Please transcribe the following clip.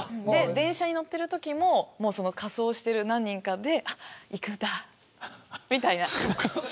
電車に乗ってるときも仮装している何人かで行くんだ、みたいな。